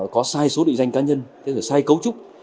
có sai số định danh cá nhân sai cấu trúc